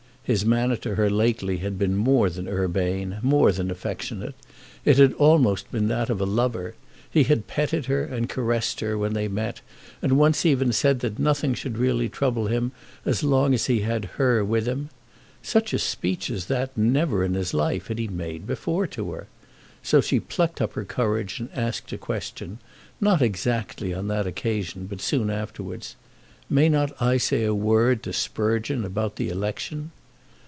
His manner to her lately had been more than urbane, more than affectionate; it had almost been that of a lover. He had petted her and caressed her when they met, and once even said that nothing should really trouble him as long as he had her with him. Such a speech as that never in his life had he made before to her! So she plucked up her courage and asked her question, not exactly on that occasion, but soon afterwards; "May not I say a word to Sprugeon about the election?"